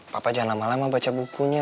papa jangan lama lama baca bukunya